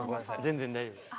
全然大丈夫です